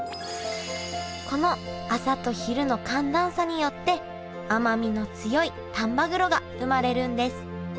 この朝と昼の寒暖差によって甘みの強い丹波黒が生まれるんです